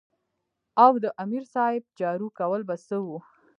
او د امیر صېب جارو کول به څۀ وو ـ